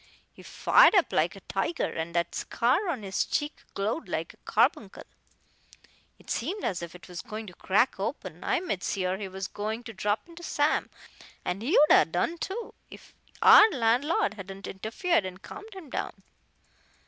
He fired up like a tiger, and that scar on his cheek glowed like a carbuncle. It seemed as if it was going to crack open. I made sure he was going to drop into Sam, and he would 'a done, too, if our landlord hadn't interfered and calmed him down."